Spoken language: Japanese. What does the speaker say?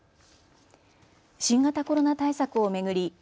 新型コロナ対策を巡り